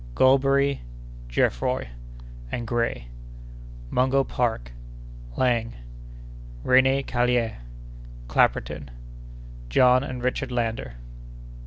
—Golberry, Geoffroy, and Gray.—Mungo Park.—Laing.—René Caillié.—Clapperton.—John and Richard Lander.